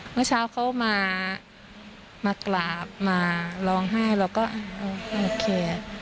เมื่อเช้าเขามากราบมาร้องไห้เราก็โอเค